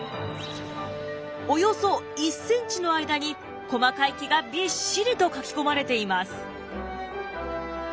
およそ１ｃｍの間に細かい毛がびっしりと描き込まれています。